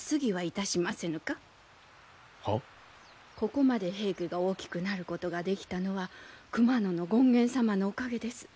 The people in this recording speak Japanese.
ここまで平家が大きくなることができたのは熊野権現様のおかげです。